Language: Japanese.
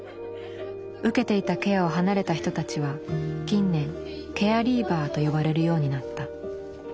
受けていたケアを離れた人たちは近年「ケアリーバー」と呼ばれるようになった。